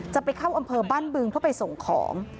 จะไปเข้าอำเภอบ้านบึงเพื่อไปส่งของ